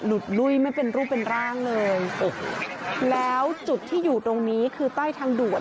ลุ้ยไม่เป็นรูปเป็นร่างเลยโอ้โหแล้วจุดที่อยู่ตรงนี้คือใต้ทางด่วน